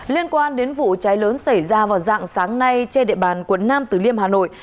liên quan đến vụ cháy lớn xảy ra vào dạng sáng nay trên địa bàn quận nam tử liêm hà nội